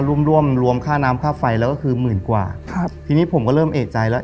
ร่วมร่วมรวมค่าน้ำค่าไฟแล้วก็คือหมื่นกว่าครับทีนี้ผมก็เริ่มเอกใจแล้ว